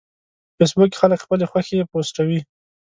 په فېسبوک کې خلک خپلې خوښې پوسټوي